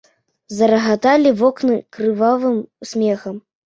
Зарагаталі вокны крывавым смехам.